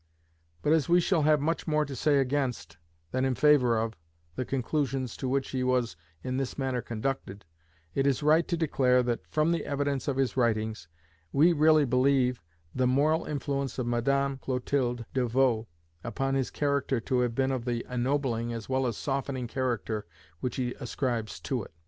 But as we shall have much more to say against, than in favour of, the conclusions to which he was in this manner conducted, it is right to declare that, from the evidence of his writings, we really believe the moral influence of Madame Clotilde de Vaux upon his character to have been of the ennobling as well as softening character which he ascribes to it.